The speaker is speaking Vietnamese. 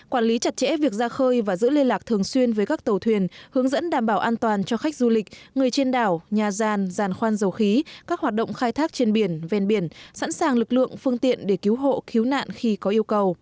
quản lý chặt chẽ việc ra khơi và giữ liên lạc thường xuyên với các tàu thuyền hướng dẫn đảm bảo an toàn cho khách du lịch người trên đảo nhà gian giàn khoan dầu khí các hoạt động khai thác trên biển ven biển sẵn sàng lực lượng phương tiện để cứu hộ cứu nạn khi có yêu cầu